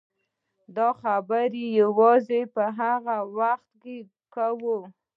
دا خبره یوازې په هغه وخت کوو.